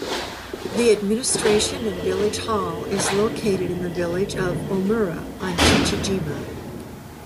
The administration and village hall is located in the village of Omura on Chichi-jima.